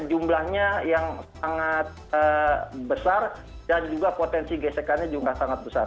jumlahnya yang sangat besar dan juga potensi gesekannya juga sangat besar